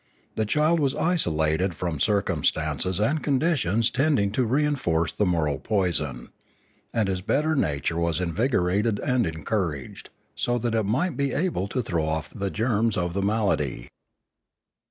The child was isolated from circumstances and conditions tending to reinforce the moral poison; and his better nature was invigorated and encouraged, so that it might be able to throw off the germs of the malady.